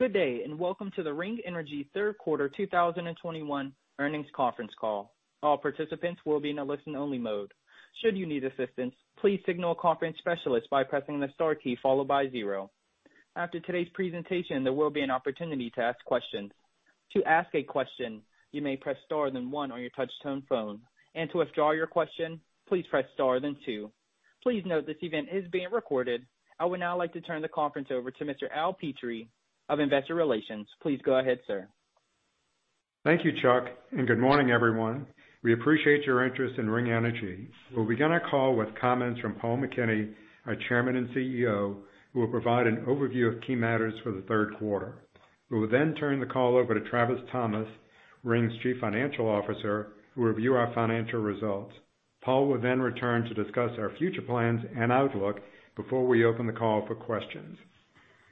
Good day, and welcome to the Ring Energy third quarter 2021 earnings conference call. All participants will be in a listen-only mode. Should you need assistance, please signal a conference specialist by pressing the star key followed by zero. After today's presentation, there will be an opportunity to ask questions. To ask a question, you may press Star then one on your touchtone phone, and to withdraw your question, please press Star then two. Please note this event is being recorded. I would now like to turn the conference over to Mr. Al Petrie of Investor Relations. Please go ahead, sir. Thank you, Chuck, and good morning, everyone. We appreciate your interest in Ring Energy. We'll begin our call with comments from Paul McKinney, our Chairman and CEO, who will provide an overview of key matters for the third quarter. We will then turn the call over to Travis Thomas, Ring's Chief Financial Officer, to review our financial results. Paul will then return to discuss our future plans and outlook before we open the call for questions.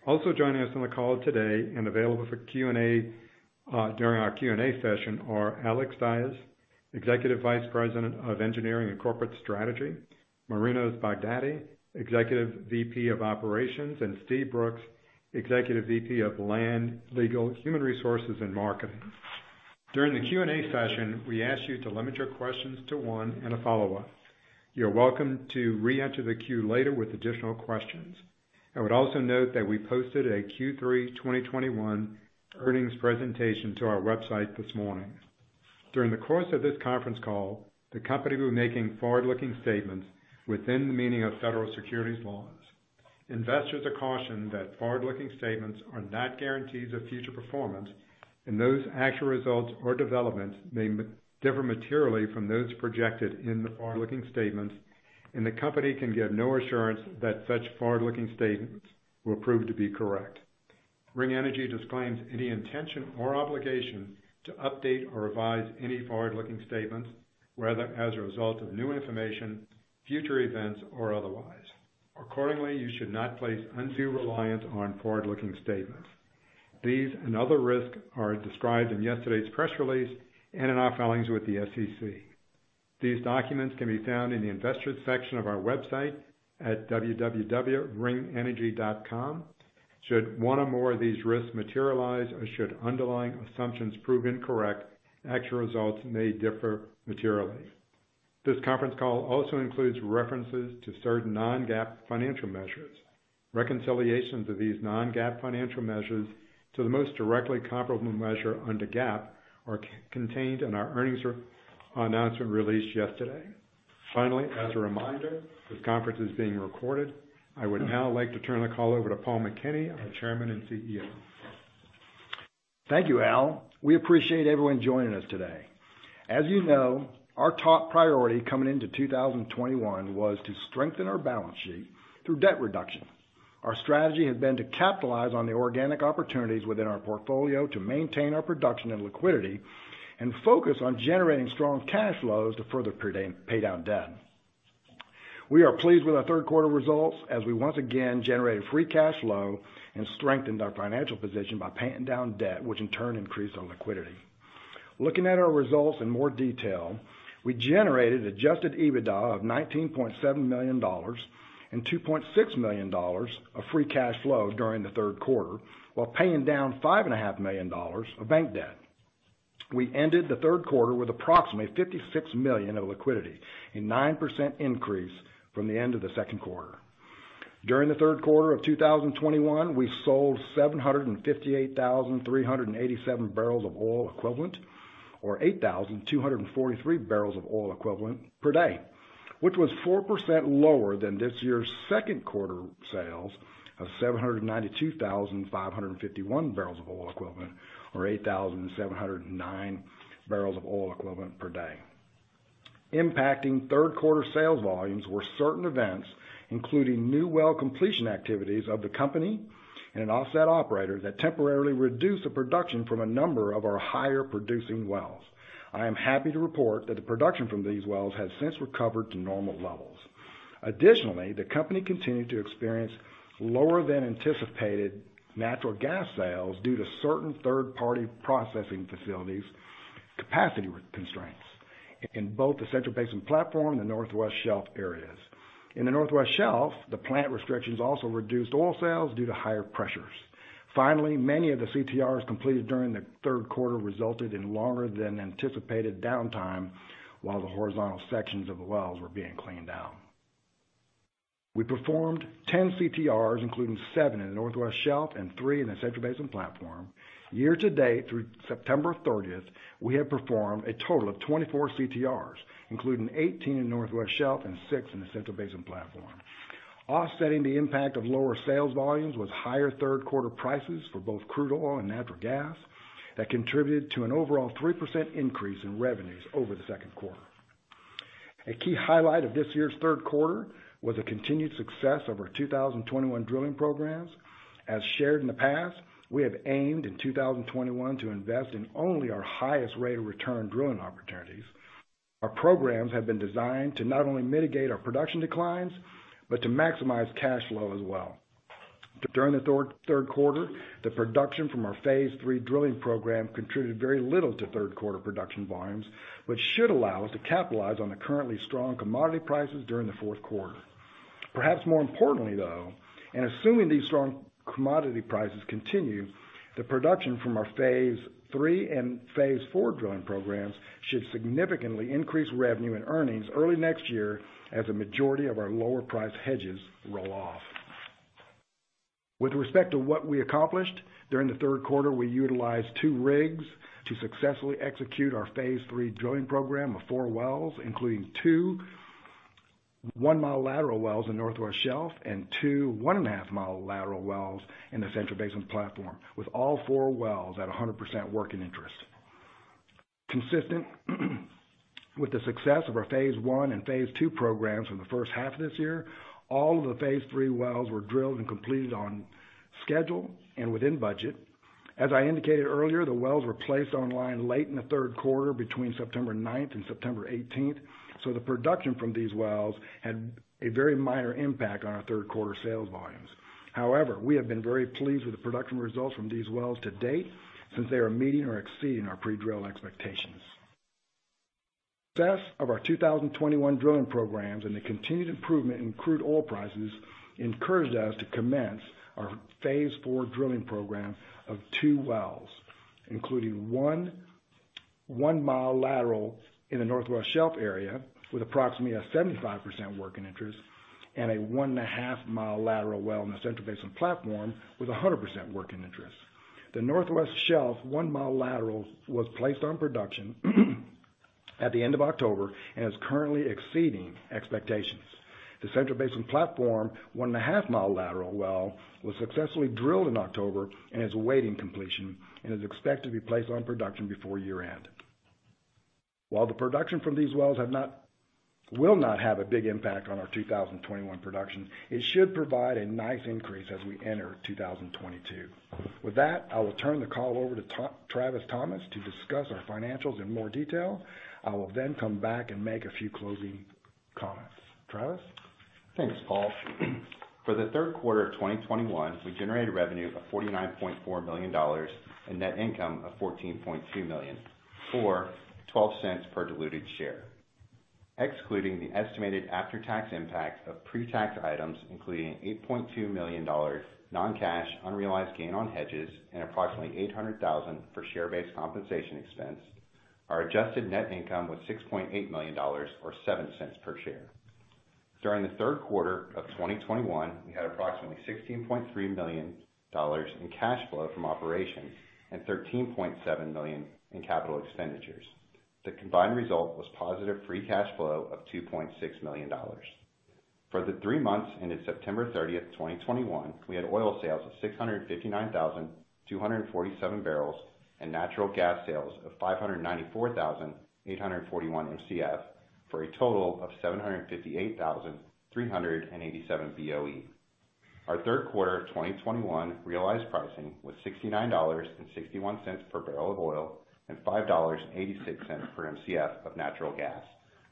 Also joining us on the call today and available for Q&A, during our Q&A session are Alex Dyes, Executive Vice President of Engineering and Corporate Strategy, Marinos Baghdati, Executive VP of Operations, and Steve Brooks, Executive VP of Land, Legal, Human Resources and Marketing. During the Q&A session, we ask you to limit your questions to one and a follow-up. You're welcome to re-enter the queue later with additional questions. I would also note that we posted a Q3 2021 earnings presentation to our website this morning. During the course of this conference call, the company will be making forward-looking statements within the meaning of Federal securities laws. Investors are cautioned that forward-looking statements are not guarantees of future performance, and those actual results or developments may differ materially from those projected in the forward-looking statements. The company can give no assurance that such forward-looking statements will prove to be correct. Ring Energy disclaims any intention or obligation to update or revise any forward-looking statements, whether as a result of new information, future events or otherwise. Accordingly, you should not place undue reliance on forward-looking statements. These and other risks are described in yesterday's press release and in our filings with the SEC. These documents can be found in the Investors section of our website at www.ringenergy.com. Should one or more of these risks materialize or should underlying assumptions prove incorrect, actual results may differ materially. This conference call also includes references to certain non-GAAP financial measures. Reconciliations of these non-GAAP financial measures to the most directly comparable measure under GAAP are contained in our earnings announcement released yesterday. Finally, as a reminder, this conference is being recorded. I would now like to turn the call over to Paul McKinney, our Chairman and CEO. Thank you, Al. We appreciate everyone joining us today. As you know, our top priority coming into 2021 was to strengthen our balance sheet through debt reduction. Our strategy has been to capitalize on the organic opportunities within our portfolio to maintain our production and liquidity and focus on generating strong cash flows to further pay down debt. We are pleased with our third quarter results as we once again generated free cash flow and strengthened our financial position by paying down debt, which in turn increased our liquidity. Looking at our results in more detail, we generated adjusted EBITDA of $19.7 million and $2.6 million of free cash flow during the third quarter while paying down $5.5 million of bank debt. We ended the third quarter with approximately $56 million of liquidity, a 9% increase from the end of the second quarter. During the third quarter of 2021, we sold 758,387 bbl of oil equivalent or 8,243 bbl of oil equivalent per day, which was 4% lower than this year's second quarter sales of 792,551 bbl of oil equivalent or 8,709 bbl of oil equivalent per day. Impacting third quarter sales volumes were certain events, including new well completion activities of the company and an offset operator that temporarily reduced the production from a number of our higher producing wells. I am happy to report that the production from these wells has since recovered to normal levels. Additionally, the Company continued to experience lower than anticipated natural gas sales due to certain third-party processing facilities' capacity constraints in both the Central Basin Platform and the Northwest Shelf areas. In the Northwest Shelf, the plant restrictions also reduced oil sales due to higher pressures. Finally, many of the CTRs completed during the third quarter resulted in longer than anticipated downtime while the horizontal sections of the wells were being cleaned out. We performed 10 CTRs, including seven in the Northwest Shelf and three in the Central Basin Platform. Year-to-date through September 30, we have performed a total of 24 CTRs, including 18 in Northwest Shelf and six in the Central Basin Platform. Offsetting the impact of lower sales volumes was higher third quarter prices for both crude oil and natural gas that contributed to an overall 3% increase in revenues over the second quarter. A key highlight of this year's third quarter was the continued success of our 2021 drilling programs. As shared in the past, we have aimed in 2021 to invest in only our highest rate of return drilling opportunities. Our programs have been designed to not only mitigate our production declines, but to maximize cash flow as well. During the third quarter, the production from our phase III drilling program contributed very little to third quarter production volumes, which should allow us to capitalize on the currently strong commodity prices during the fourth quarter. Perhaps more importantly though, and assuming these strong commodity prices continue, the production from our phase III and phase IV drilling programs should significantly increase revenue and earnings early next year as a majority of our lower price hedges roll off. With respect to what we accomplished, during the third quarter, we utilized two rigs to successfully execute our phase III drilling program of four wells, including two 1 mi lateral wells in Northwest Shelf and two 1.5 mi lateral wells in the Central Basin Platform, with all four wells at 100% working interest. Consistent with the success of our phase I and phase II programs from the first half of this year, all of the phase three wells were drilled and completed on schedule and within budget. As I indicated earlier, the wells were placed online late in the third quarter between September 9th and September 18th, so the production from these wells had a very minor impact on our third quarter sales volumes. However, we have been very pleased with the production results from these wells to date since they are meeting or exceeding our pre-drill expectations. Best of our 2021 drilling programs and the continued improvement in crude oil prices encouraged us to commence our phase IV drilling program of two wells, including one 1 mi lateral in the Northwest Shelf area with approximately a 75% working interest and a 1.5 mi lateral well in the Central Basin Platform with a 100% working interest. The Northwest Shelf 1 mi lateral was placed on production at the end of October and is currently exceeding expectations. The Central Basin Platform 1.5 mi lateral well was successfully drilled in October and is awaiting completion and is expected to be placed on production before year-end. While the production from these wells will not have a big impact on our 2021 production, it should provide a nice increase as we enter 2022. With that, I will turn the call over to Travis Thomas to discuss our financials in more detail. I will then come back and make a few closing comments. Travis? Thanks, Paul. For the third quarter of 2021, we generated revenue of $49.4 million and net income of $14.2 million or $0.12 per diluted share. Excluding the estimated after-tax impact of pre-tax items, including $8.2 million non-cash, unrealized gain on hedges and approximately $800,000 for share-based compensation expense, our adjusted net income was $6.8 million or $0.07 per share. During the third quarter of 2021, we had approximately $16.3 million in cash flow from operations and $13.7 million in capital expenditures. The combined result was positive free cash flow of $2.6 million. For the three months ended September 30th, 2021, we had oil sales of 659,247 bbl and natural gas sales of 594,841 Mcf for a total of 758,387 BOE. Our third quarter of 2021 realized pricing was $69.61 per bbl of oil and $5.86 per Mcf of natural gas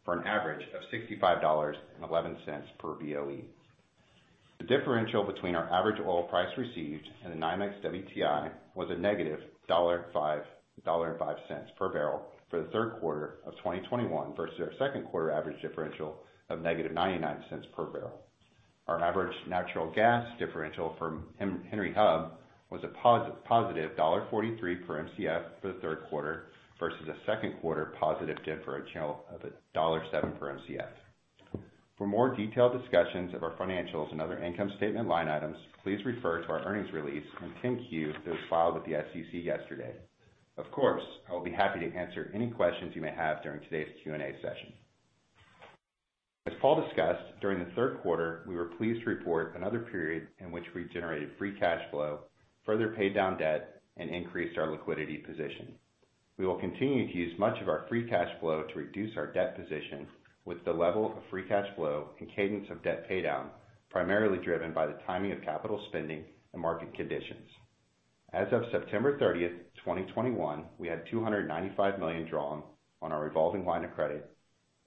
for an average of $65.11 per BOE. The differential between our average oil price received and the NYMEX WTI was a -$1.05 per bbl for the third quarter of 2021 versus our second quarter average differential of -$0.99 per bbl. Our average natural gas differential from Henry Hub was a positive $1.43 per Mcf for the third quarter versus a second quarter positive differential of $1.07 per Mcf. For more detailed discussions of our financials and other income statement line items, please refer to our earnings release on 10-Q that was filed with the SEC yesterday. Of course, I will be happy to answer any questions you may have during today's Q&A session. As Paul discussed, during the third quarter, we were pleased to report another period in which we generated free cash flow, further paid down debt, and increased our liquidity position. We will continue to use much of our free cash flow to reduce our debt position with the level of free cash flow and cadence of debt pay down, primarily driven by the timing of capital spending and market conditions. As of September 30, 2021, we had $295 million drawn on our revolving line of credit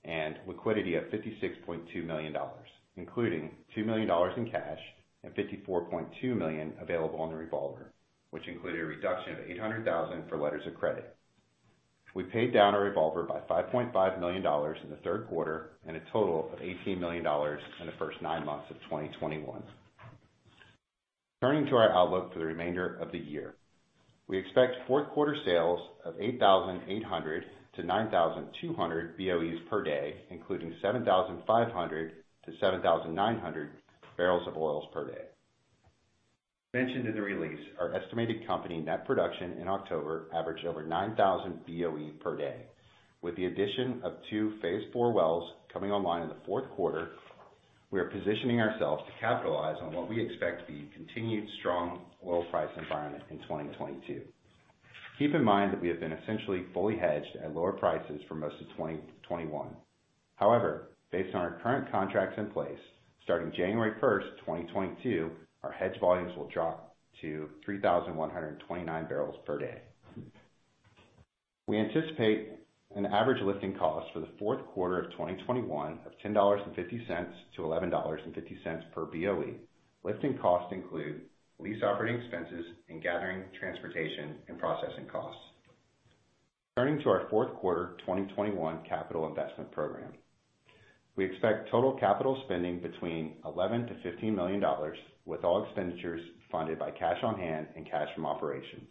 and liquidity of $56.2 million, including $2 million in cash and $54.2 million available on the revolver, which included a reduction of $800,000 for letters of credit. We paid down our revolver by $5.5 million in the third quarter and a total of $18 million in the first nine months of 2021. Turning to our outlook for the remainder of the year. We expect fourth quarter sales of 8,800 BOEs-9,200 BOEs per day, including 7,500 bbl-7,900 bbl of oil per day. As mentioned in the release, our estimated company net production in October averaged over 9,000 BOE per day. With the addition of two phase four wells coming online in the fourth quarter, we are positioning ourselves to capitalize on what we expect to be a continued strong oil price environment in 2022. Keep in mind that we have been essentially fully hedged at lower prices for most of 2021. However, based on our current contracts in place, starting January 1st, 2022, our hedge volumes will drop to 3,129 bbl per day. We anticipate an average lifting cost for the fourth quarter of 2021 of $10.50-$11.50 per BOE. Lifting costs include lease operating expenses and gathering, transportation, and processing costs. Turning to our fourth quarter 2021 capital investment program. We expect total capital spending between $11 million-$15 million with all expenditures funded by cash on hand and cash from operations.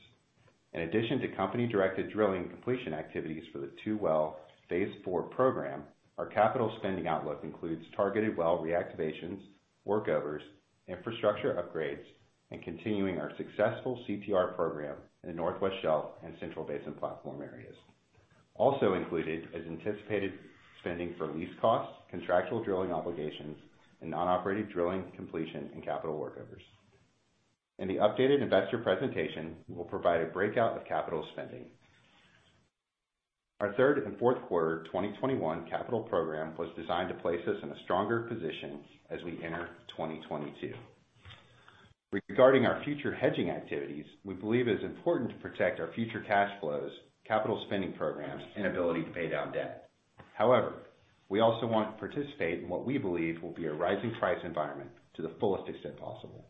In addition to company-directed drilling completion activities for the two well phase four program, our capital spending outlook includes targeted well reactivations, workovers, infrastructure upgrades, and continuing our successful CTR program in the Northwest Shelf and Central Basin Platform areas. Also included is anticipated spending for lease costs, contractual drilling obligations, and non-operating drilling completion and capital workovers. In the updated investor presentation, we'll provide a breakout of capital spending. Our third and fourth quarter 2021 capital program was designed to place us in a stronger position as we enter 2022. Regarding our future hedging activities, we believe it is important to protect our future cash flows, capital spending programs, and ability to pay down debt. However, we also want to participate in what we believe will be a rising price environment to the fullest extent possible.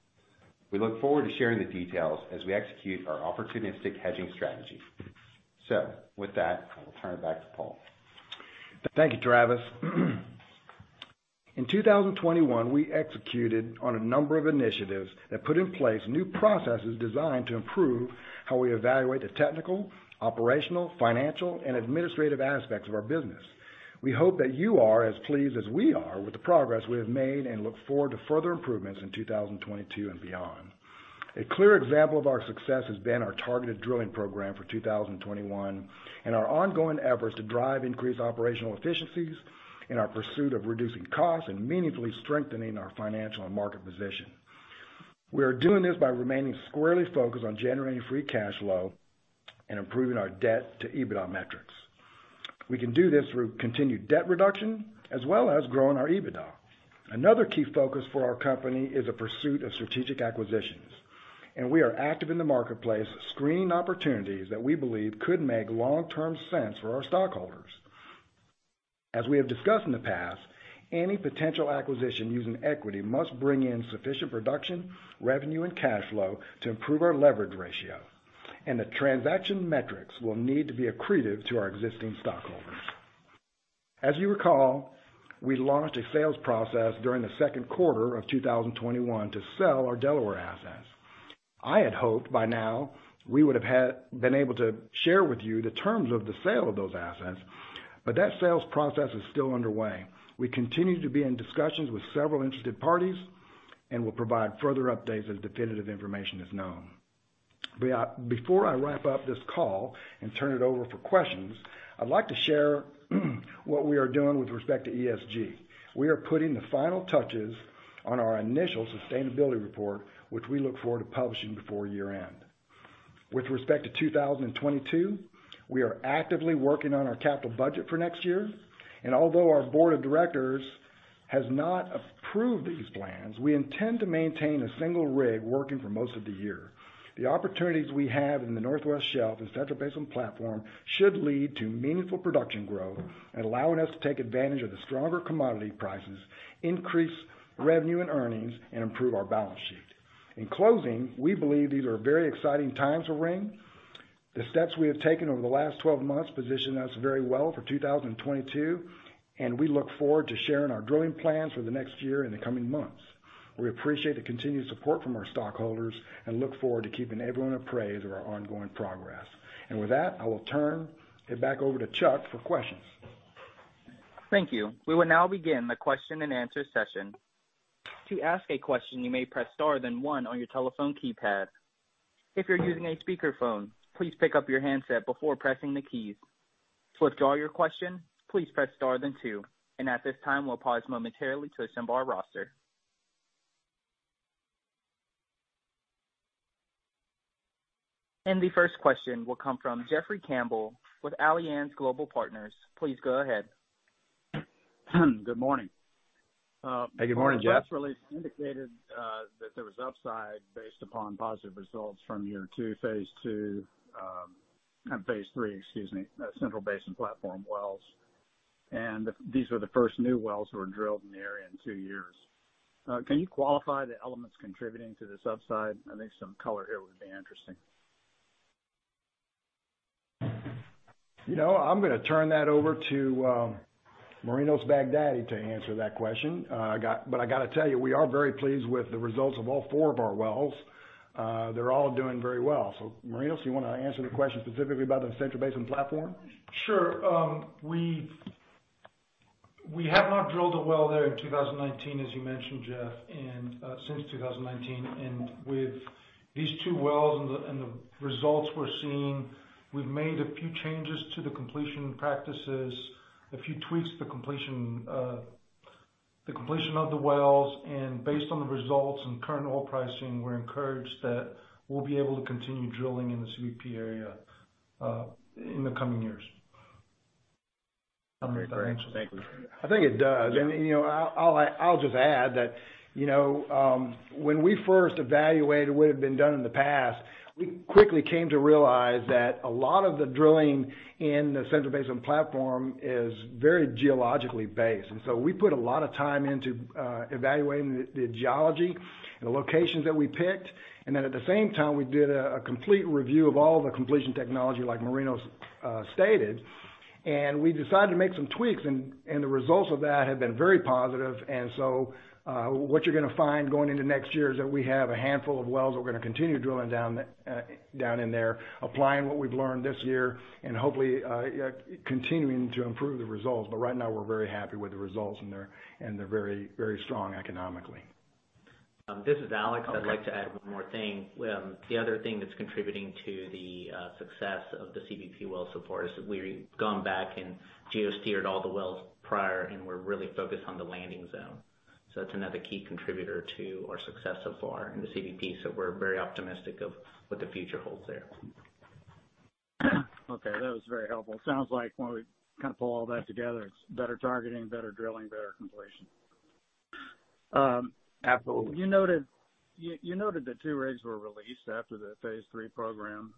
We look forward to sharing the details as we execute our opportunistic hedging strategy. With that, I will turn it back to Paul. Thank you, Travis. In 2021, we executed on a number of initiatives that put in place new processes designed to improve how we evaluate the technical, operational, financial, and administrative aspects of our business. We hope that you are as pleased as we are with the progress we have made and look forward to further improvements in 2022 and beyond. A clear example of our success has been our targeted drilling program for 2021, and our ongoing efforts to drive increased operational efficiencies in our pursuit of reducing costs and meaningfully strengthening our financial and market position. We are doing this by remaining squarely focused on generating free cash flow and improving our debt to EBITDA metrics. We can do this through continued debt reduction as well as growing our EBITDA. Another key focus for our company is the pursuit of strategic acquisitions, and we are active in the marketplace screening opportunities that we believe could make long-term sense for our stockholders. As we have discussed in the past, any potential acquisition using equity must bring in sufficient production, revenue, and cash flow to improve our leverage ratio, and the transaction metrics will need to be accretive to our existing stockholders. As you recall, we launched a sales process during the second quarter of 2021 to sell our Delaware assets. I had hoped by now we would have been able to share with you the terms of the sale of those assets, but that sales process is still underway. We continue to be in discussions with several interested parties and will provide further updates as definitive information is known. Before I wrap up this call and turn it over for questions, I'd like to share what we are doing with respect to ESG. We are putting the final touches on our initial sustainability report, which we look forward to publishing before year-end. With respect to 2022, we are actively working on our capital budget for next year, and although our board of directors has not approved these plans, we intend to maintain a single rig working for most of the year. The opportunities we have in the Northwest Shelf and Central Basin Platform should lead to meaningful production growth and allowing us to take advantage of the stronger commodity prices, increase revenue and earnings, and improve our balance sheet. In closing, we believe these are very exciting times for Ring. The steps we have taken over the last 12 months position us very well for 2022, and we look forward to sharing our drilling plans for the next year in the coming months. We appreciate the continued support from our stockholders and look forward to keeping everyone appraised of our ongoing progress. With that, I will turn it back over to Chuck for questions. Thank you. We will now begin the question-and-answer session. To ask a question, you may press star then one on your telephone keypad. If you're using a speakerphone, please pick up your handset before pressing the keys. To withdraw your question, please press star then two. At this time, we'll pause momentarily to assemble our roster. The first question will come from Jeff Robertson with Alliance Global Partners. Please go ahead. Good morning. Hey, good morning, Jeff. The press release indicated that there was upside based upon positive results from your phase three Central Basin Platform wells, and these were the first new wells that were drilled in the area in two years. Can you qualify the elements contributing to this upside? I think some color here would be interesting. You know, I'm gonna turn that over to Marinos Baghdati to answer that question. I gotta tell you, we are very pleased with the results of all four of our wells. They're all doing very well. Marinos, you wanna answer the question specifically about the Central Basin Platform? Sure. We have not drilled a well there in 2019, as you mentioned, Jeff, and since 2019. With these two wells and the results we're seeing, we've made a few changes to the completion practices, a few tweaks to completion, the completion of the wells. Based on the results and current oil pricing, we're encouraged that we'll be able to continue drilling in the CBP area, in the coming years. Great. Thank you. I think it does. You know, I'll just add that, you know, when we first evaluated what had been done in the past, we quickly came to realize that a lot of the drilling in the Central Basin Platform is very geologically based. We put a lot of time into evaluating the geology and the locations that we picked. Then at the same time, we did a complete review of all the completion technology, like Marinos stated. We decided to make some tweaks, and the results of that have been very positive. What you're gonna find going into next year is that we have a handful of wells that we're gonna continue drilling down in there, applying what we've learned this year and hopefully continuing to improve the results. Right now, we're very happy with the results and they're very, very strong economically. This is Alex. Okay. I'd like to add one more thing. The other thing that's contributing to the success of the CBP well so far is we've gone back and geosteered all the wells prior, and we're really focused on the landing zone. That's another key contributor to our success so far in the CBP, so we're very optimistic of what the future holds there. Okay, that was very helpful. Sounds like when we kind of pull all that together, it's better targeting, better drilling, better completion. Absolutely. You noted that two rigs were released after the phase three program.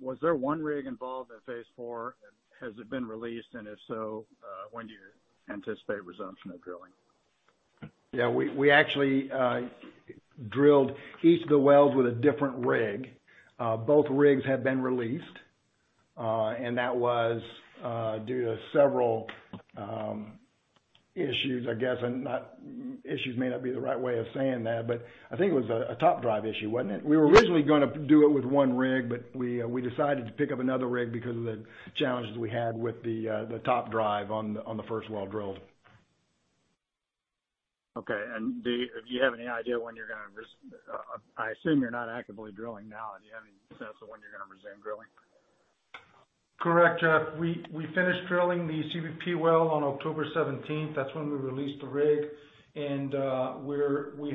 Was there one rig involved at phase four? Has it been released? If so, when do you anticipate resumption of drilling? Yeah. We actually drilled each of the wells with a different rig. Both rigs have been released, and that was due to several issues, I guess. Issues may not be the right way of saying that, but I think it was a top drive issue, wasn't it? We were originally gonna do it with one rig, but we decided to pick up another rig because of the challenges we had with the top drive on the first well drilled. Okay. Do you have any idea when you're gonna resume? I assume you're not actively drilling now. Do you have any sense of when you're gonna resume drilling? Correct, Jeff. We finished drilling the CBP well on October seventeenth. That's when we released the rig. We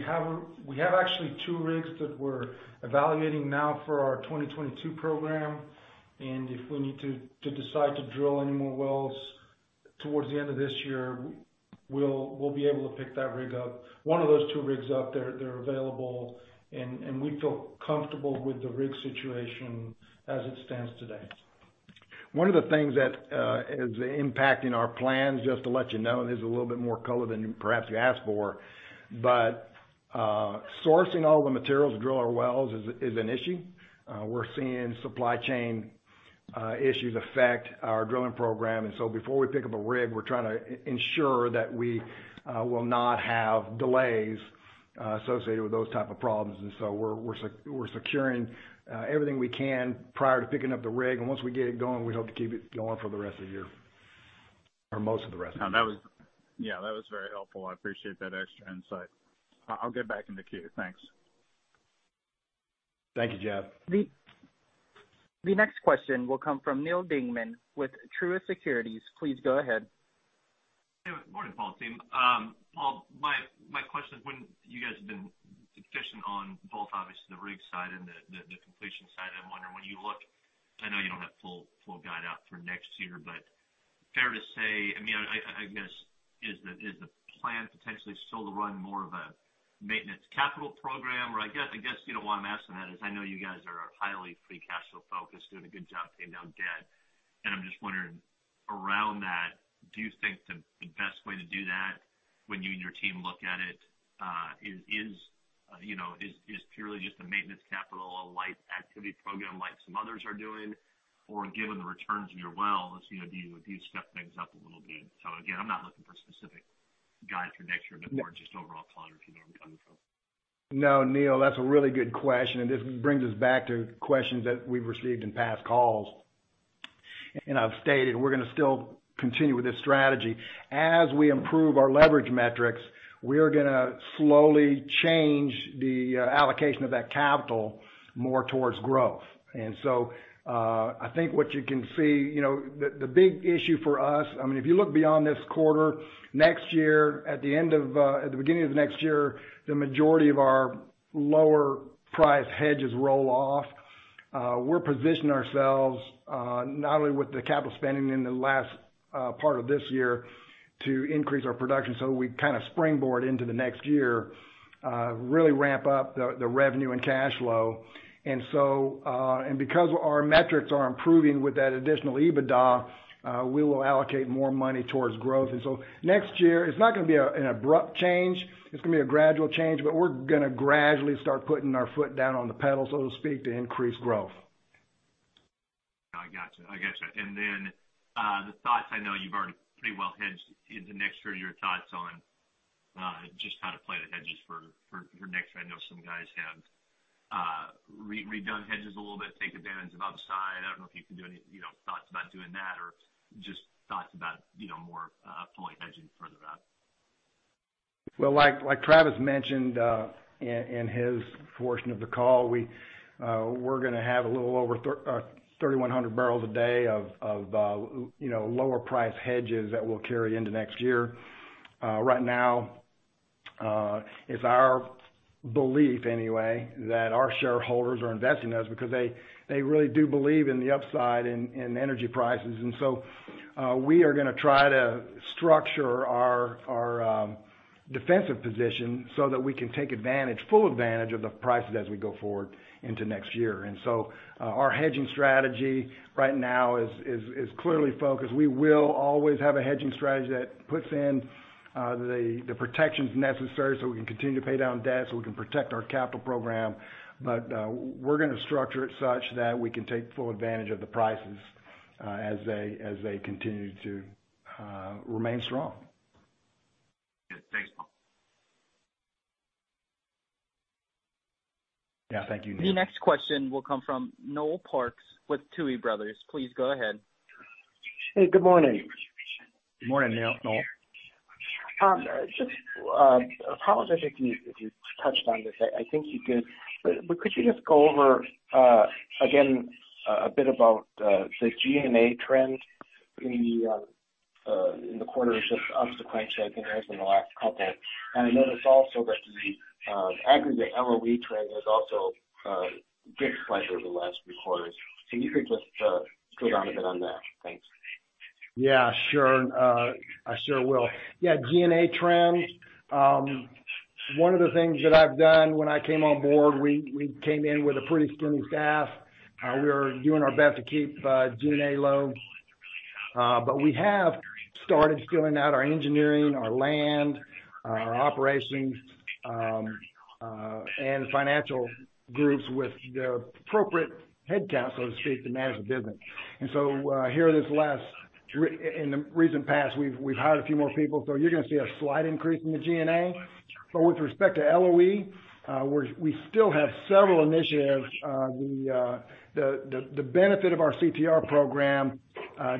have actually two rigs that we're evaluating now for our 2022 program, and if we need to decide to drill any more wells towards the end of this year, we'll be able to pick that rig up. One of those two rigs out there, they're available and we feel comfortable with the rig situation as it stands today. One of the things that is impacting our plans, just to let you know, and this is a little bit more color than perhaps you asked for, but sourcing all the materials to drill our wells is an issue. We're seeing supply chain issues affect our drilling program. Before we pick up a rig, we're trying to ensure that we will not have delays associated with those type of problems. We're securing everything we can prior to picking up the rig. Once we get it going, we hope to keep it going for the rest of the year or most of the rest of the year. That was. Yeah, that was very helpful. I appreciate that extra insight. I'll get back in the queue. Thanks. Thank you, Jeff. The next question will come from Neal Dingmann with Truist Securities. Please go ahead. Hey. Good morning, Paul team. Paul, my question is, when you guys have been efficient on both obviously the rig side and the completion side, I'm wondering when you look. I know you don't have full guide out for next year, but fair to say, I mean, I guess, is the plan potentially still to run more of a maintenance capital program? I guess, you know, why I'm asking that is I know you guys are highly free cash flow focused, doing a good job paying down debt, and I'm just wondering about that, do you think the best way to do that when you and your team look at it is, you know, is purely just a maintenance capital, a light activity program like some others are doing? Given the returns on your wells, you know, do you step things up a little bit? Again, I'm not looking for specific guidance for next year, but more just overall thought or if you know where we're coming from. No, Neal, that's a really good question, and this brings us back to questions that we've received in past calls. I've stated we're gonna still continue with this strategy. As we improve our leverage metrics, we are gonna slowly change the allocation of that capital more towards growth. I think what you can see, you know, the big issue for us, I mean, if you look beyond this quarter, next year, at the beginning of the next year, the majority of our lower priced hedges roll off. We're positioning ourselves, not only with the capital spending in the last part of this year to increase our production, so we kinda springboard into the next year, really ramp up the revenue and cash flow. Because our metrics are improving with that additional EBITDA, we will allocate more money towards growth. Next year it's not gonna be a, an abrupt change, it's gonna be a gradual change, but we're gonna gradually start putting our foot down on the pedal, so to speak, to increase growth. I gotcha. The thoughts, I know you've already pretty well hedged into next year, your thoughts on just how to play the hedges for next year. I know some guys have redone hedges a little bit, take advantage of upside. I don't know if you can do any, you know, thoughts about doing that or just thoughts about, you know, more fully hedging further out. Well, like Travis mentioned in his portion of the call, we're gonna have a little over 3,100 bbl a day of you know, lower priced hedges that we'll carry into next year. Right now, it's our belief anyway, that our shareholders are investing in us because they really do believe in the upside in energy prices. We are gonna try to structure our defensive position so that we can take advantage, full advantage of the prices as we go forward into next year. Our hedging strategy right now is clearly focused. We will always have a hedging strategy that puts in the protections necessary so we can continue to pay down debt, so we can protect our capital program. We're gonna structure it such that we can take full advantage of the prices, as they continue to remain strong. Yeah. Thank you, Neal. The next question will come from Noel Parks with Tuohy Brothers. Please go ahead. Hey, good morning. Good morning, Noel. Just, I apologize if you touched on this. I think you did. Could you just go over again a bit about the G&A trend in the quarter just subsequent to, I think it was in the last couple. I notice also that the aggregate LOE trend has also dipped quite over the last few quarters. If you could just go down a bit on that. Thanks. Yeah, sure. I sure will. Yeah, G&A trends. One of the things that I've done when I came on board, we came in with a pretty skinny staff. We were doing our best to keep G&A low. We have started filling out our engineering, our land, our operations, and financial groups with the appropriate head count, so to speak, to manage the business. In the recent past, we've hired a few more people, so you're gonna see a slight increase in the G&A. With respect to LOE, we still have several initiatives. The benefit of our CTR program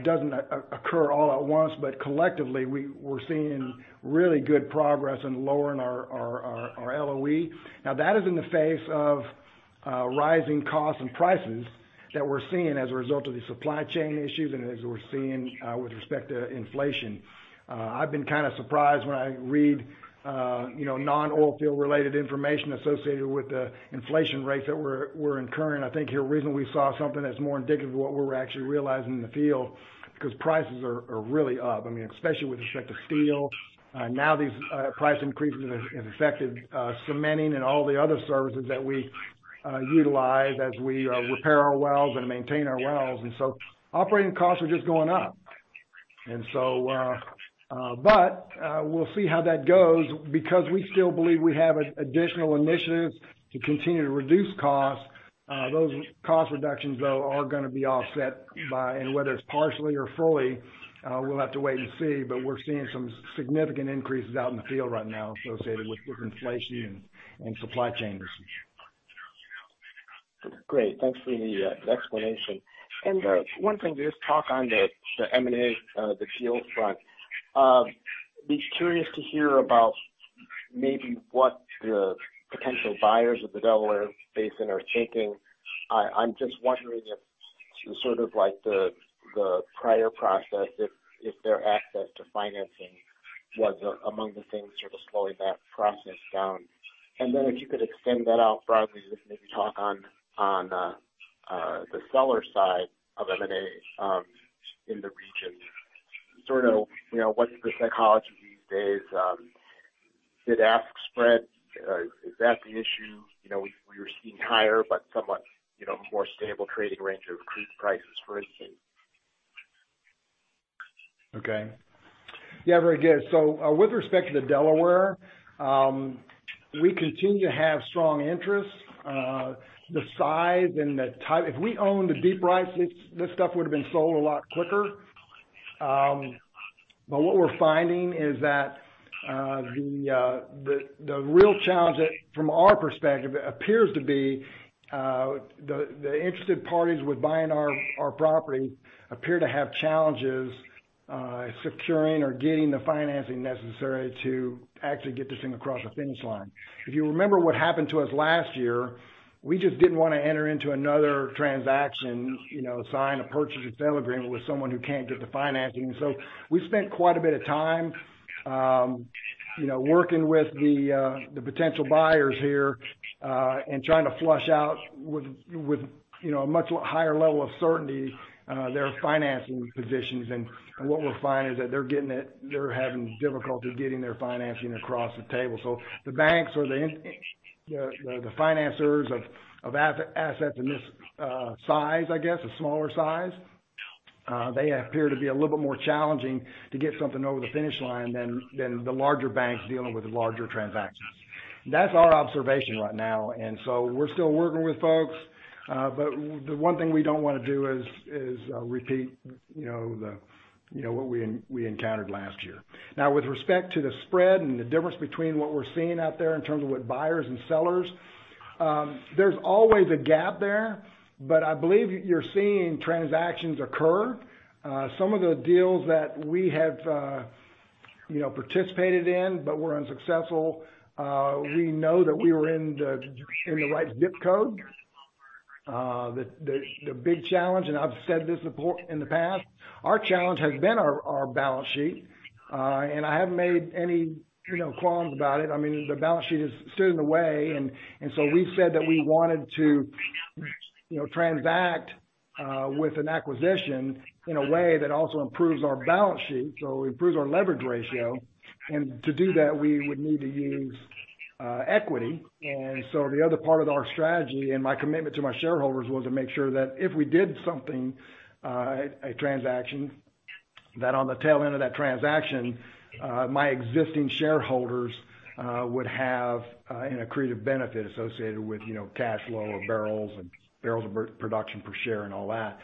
doesn't occur all at once, but collectively, we're seeing really good progress in lowering our LOE. Now, that is in the face of, rising costs and prices that we're seeing as a result of the supply chain issues and as we're seeing, with respect to inflation. I've been kinda surprised when I read, you know, non-oil field-related information associated with the inflation rates that we're incurring. I think here recently we saw something that's more indicative of what we're actually realizing in the field because prices are really up. I mean, especially with respect to steel. Now these price increases has affected cementing and all the other services that we utilize as we repair our wells and maintain our wells. Operating costs are just going up. We'll see how that goes because we still believe we have additional initiatives to continue to reduce costs. Those cost reductions, though, are gonna be offset by whether it's partially or fully. We'll have to wait and see, but we're seeing some significant increases out in the field right now associated with inflation and supply chains. Great. Thanks for the explanation. One thing, just talk on the M&A deal front. I'd be curious to hear about maybe what the potential buyers of the Delaware Basin are thinking. I'm just wondering if sort of like the prior process, if their access to financing was among the things sort of slowing that process down. Then if you could extend that out broadly, just maybe talk on the seller side of M&A in the region. Sort of, you know, what's the psychology these days? Bid-ask spread, is that the issue? You know, we are seeing higher, but somewhat, you know, more stable trading range of crude prices, for instance. Okay. Yeah, very good. With respect to the Delaware, we continue to have strong interest. The size and the type. If we owned the deep rights, this stuff would've been sold a lot quicker. But what we're finding is that the real challenge that, from our perspective, appears to be the interested parties with buying our property appear to have challenges securing or getting the financing necessary to actually get this thing across the finish line. If you remember what happened to us last year, we just didn't wanna enter into another transaction, you know, sign a purchase and sale agreement with someone who can't get the financing. We've spent quite a bit of time, you know, working with the potential buyers here, and trying to flush out with, you know, a much higher level of certainty, their financing positions. What we're finding is that they're having difficulty getting their financing across the table. The banks or the, the financers of assets in this, size, I guess, a smaller size, they appear to be a little bit more challenging to get something over the finish line than the larger banks dealing with larger transactions. That's our observation right now, and so we're still working with folks. The one thing we don't wanna do is, repeat, you know, the, you know, what we encountered last year. Now, with respect to the spread and the difference between what we're seeing out there in terms of with buyers and sellers, there's always a gap there, but I believe you're seeing transactions occur. Some of the deals that we have, you know, participated in but were unsuccessful, we know that we were in the right ZIP Code. The big challenge, and I've said this before in the past, our challenge has been our balance sheet. I haven't made any, you know, qualms about it. I mean, the balance sheet has stood in the way and so we've said that we wanted to, you know, transact with an acquisition in a way that also improves our balance sheet, so improves our leverage ratio. To do that, we would need to use equity. The other part of our strategy and my commitment to my shareholders was to make sure that if we did something, a transaction, that on the tail end of that transaction, my existing shareholders would have an accretive benefit associated with, you know, cash flow or barrels of production per share and all that.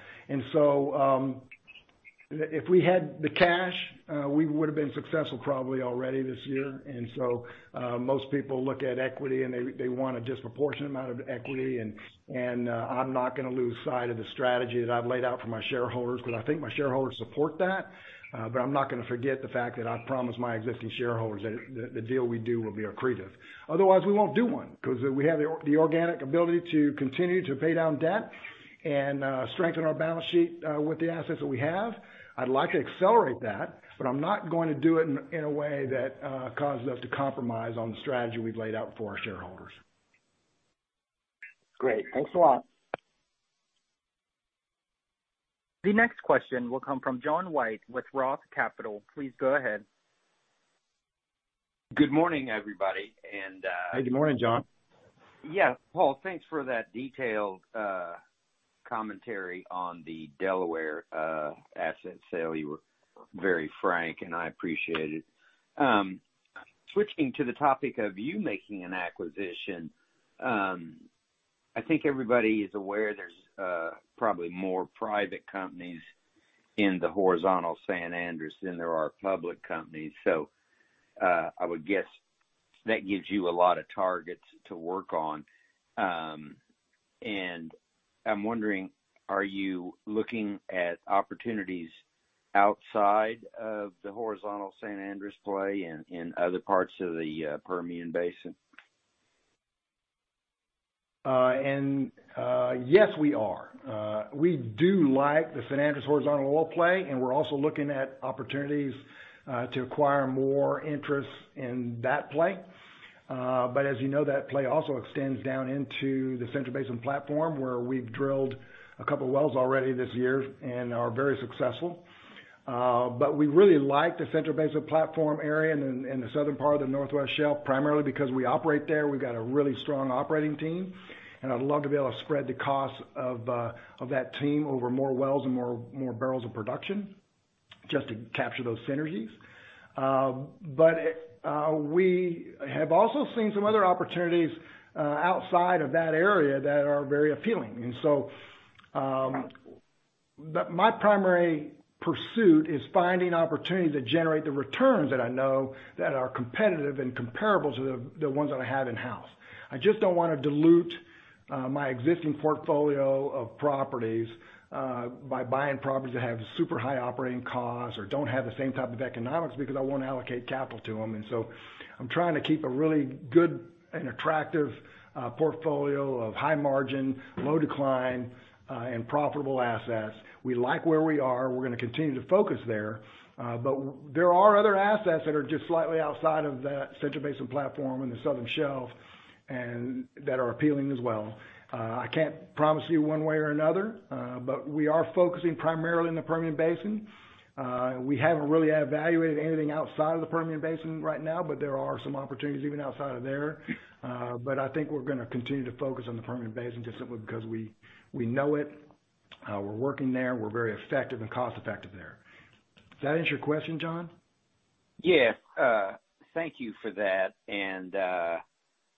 If we had the cash, we would have been successful probably already this year. Most people look at equity, and they want a disproportionate amount of equity and, I'm not gonna lose sight of the strategy that I've laid out for my shareholders because I think my shareholders support that. I'm not gonna forget the fact that I promised my existing shareholders that the deal we do will be accretive. Otherwise, we won't do one because we have the organic ability to continue to pay down debt and strengthen our balance sheet with the assets that we have. I'd like to accelerate that, but I'm not going to do it in a way that causes us to compromise on the strategy we've laid out for our shareholders. Great. Thanks a lot. The next question will come from John White with ROTH Capital. Please go ahead. Good morning, everybody. Good morning, John. Yeah. Paul, thanks for that detailed commentary on the Delaware asset sale. You were very frank, and I appreciate it. Switching to the topic of you making an acquisition, I think everybody is aware there's probably more private companies in the horizontal San Andres than there are public companies. So, I would guess that gives you a lot of targets to work on. I'm wondering, are you looking at opportunities outside of the horizontal San Andres play in other parts of the Permian Basin? Yes, we are. We do like the San Andres horizontal oil play, and we're also looking at opportunities to acquire more interest in that play. As you know, that play also extends down into the Central Basin Platform, where we've drilled a couple of wells already this year and are very successful. We really like the Central Basin Platform area and the southern part of the Northwest Shelf, primarily because we operate there. We've got a really strong operating team, and I'd love to be able to spread the cost of that team over more wells and more barrels of production just to capture those synergies. We have also seen some other opportunities outside of that area that are very appealing. My primary pursuit is finding opportunities that generate the returns that I know that are competitive and comparable to the ones that I have in-house. I just don't wanna dilute my existing portfolio of properties by buying properties that have super high operating costs or don't have the same type of economics because I won't allocate capital to them. I'm trying to keep a really good and attractive portfolio of high margin, low decline, and profitable assets. We like where we are. We're gonna continue to focus there. There are other assets that are just slightly outside of that Central Basin Platform and the Southern Shelf and that are appealing as well. I can't promise you one way or another, but we are focusing primarily in the Permian Basin. We haven't really evaluated anything outside of the Permian Basin right now, but there are some opportunities even outside of there. I think we're gonna continue to focus on the Permian Basin just simply because we know it, we're working there, we're very effective and cost-effective there. Does that answer your question, John? Yes. Thank you for that, and I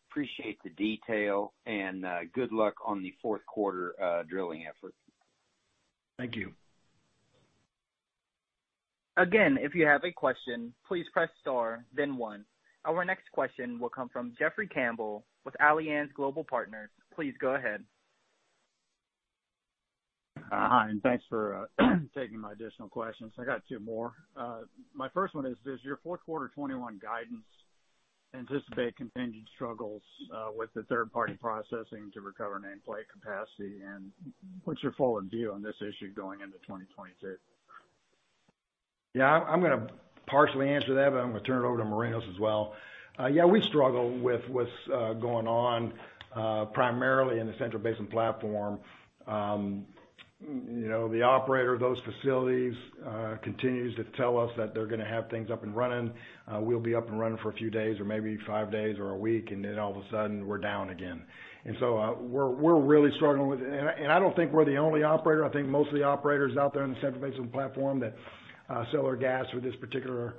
appreciate the detail. Good luck on the fourth quarter drilling effort. Thank you. Again, if you have a question, please press Star then one. Our next question will come from Jeff Robertson with Alliance Global Partners. Please go ahead. Hi, thanks for taking my additional questions. I got two more. My first one is, does your fourth quarter 2021 guidance anticipate contingent struggles with the third-party processing to recover nameplate capacity? And what's your forward view on this issue going into 2022? Yeah. I'm gonna partially answer that, but I'm gonna turn it over to Marinos as well. We struggle with what's going on primarily in the Central Basin Platform. The operator of those facilities continues to tell us that they're gonna have things up and running. We'll be up and running for a few days or maybe five days or a week, and then all of a sudden we're down again. We're really struggling with it. I don't think we're the only operator. I think most of the operators out there in the Central Basin Platform that sell our gas with this particular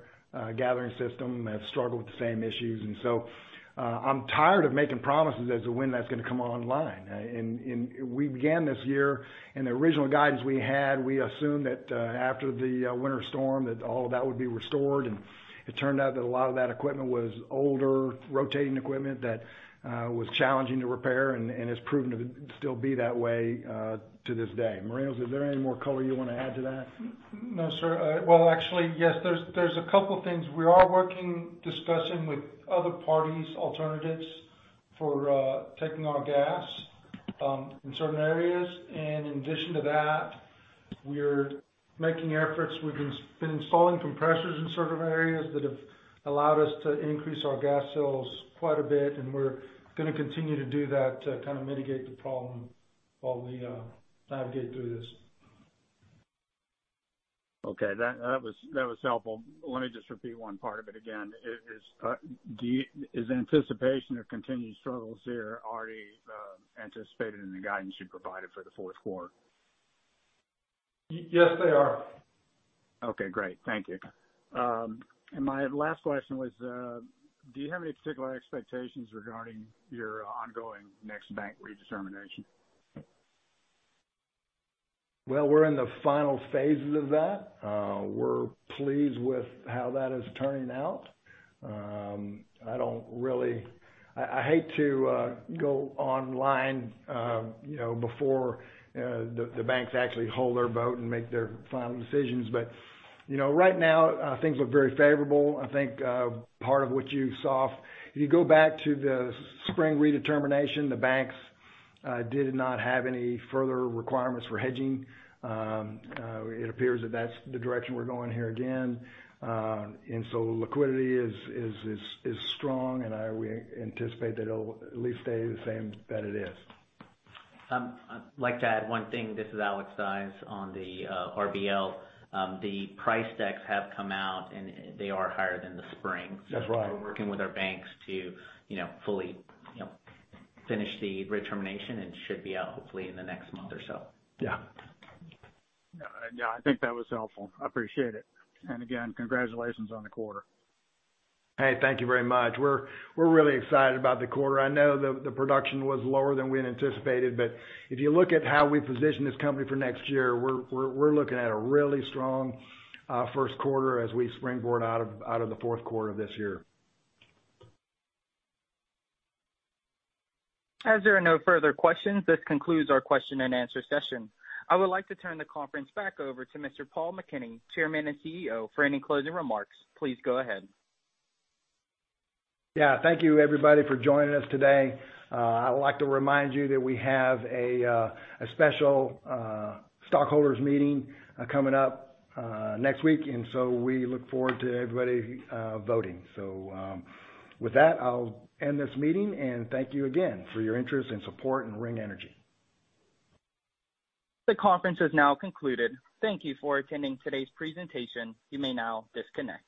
gathering system have struggled with the same issues. I'm tired of making promises as to when that's gonna come online. We began this year, in the original guidance we had, we assumed that after the winter storm, that all of that would be restored. It turned out that a lot of that equipment was older rotating equipment that was challenging to repair and has proven to still be that way to this day. Marinos, is there any more color you wanna add to that? No, sir. Well, actually, yes. There's a couple of things. We are working, discussing with other parties alternatives for taking our gas in certain areas. In addition to that, we're making efforts. We've been installing compressors in certain areas that have allowed us to increase our gas sales quite a bit, and we're gonna continue to do that to kind of mitigate the problem while we navigate through this. Okay. That was helpful. Let me just repeat one part of it again. Is the anticipation of continued struggles there already anticipated in the guidance you provided for the fourth quarter? Yes, they are. Okay, great. Thank you. My last question was, do you have any particular expectations regarding your ongoing next bank redetermination? Well, we're in the final phases of that. We're pleased with how that is turning out. I hate to go online, you know, before the banks actually hold their vote and make their final decisions. You know, right now, things look very favorable. I think part of what you saw. If you go back to the spring redetermination, the banks did not have any further requirements for hedging. It appears that that's the direction we're going here again. Liquidity is strong, and we anticipate that it'll at least stay the same that it is. I'd like to add one thing. This is Alex Dyes on the RBL. The price decks have come out and they are higher than the spring. That's right. We're working with our banks to, you know, fully, you know, finish the redetermination, and should be out hopefully in the next month or so. Yeah. Yeah, I think that was helpful. I appreciate it. Again, congratulations on the quarter. Hey, thank you very much. We're really excited about the quarter. I know the production was lower than we had anticipated, but if you look at how we position this company for next year, we're looking at a really strong first quarter as we springboard out of the fourth quarter of this year. As there are no further questions, this concludes our question and answer session. I would like to turn the conference back over to Mr. Paul McKinney, Chairman and CEO. For any closing remarks, please go ahead. Yeah. Thank you, everybody, for joining us today. I would like to remind you that we have a special stockholders meeting coming up next week, and so we look forward to everybody voting. With that, I'll end this meeting and thank you again for your interest and support in Ring Energy. The conference has now concluded. Thank you for attending today's presentation. You may now disconnect.